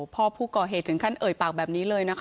พ่อผู้ก่อเหตุถึงขั้นเอ่ยปากแบบนี้เลยนะคะ